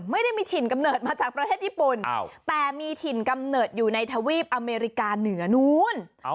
ไม่ได้มีถิ่นกำเนิดมาจากประเทศญี่ปุ่นแต่มีถิ่นกำเนิดอยู่ในทวีปอเมริกาเหนือนู้น